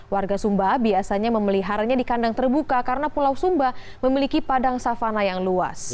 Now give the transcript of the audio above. warga sumba biasanya memeliharanya di kandang terbuka karena pulau sumba memiliki padang savana yang luas